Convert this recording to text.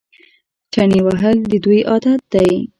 چنې وهل د دوی عادت دی.